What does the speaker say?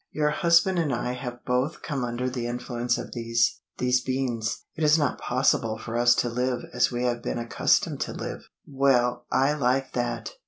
"Your husband and I have both come under the influence of these these beans. It is not possible for us to live as we have been accustomed to live." "Well, I like that!"